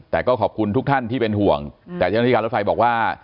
แต่ก็ขอบคุณทุกท่านที่เป็นห่วงแต่เจ้าหน้าที่การรถไฟบอกว่า